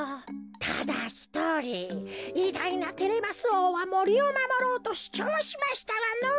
ただひとりいだいなテレマスおうはもりをまもろうとしゅちょうしましたがのぉ。